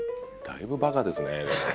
だいぶバカですね。